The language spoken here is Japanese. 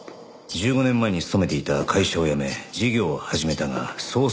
１５年前に勤めていた会社を辞め事業を始めたが早々に失敗。